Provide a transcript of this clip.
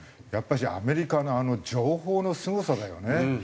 やっぱしアメリカの情報のすごさだよね。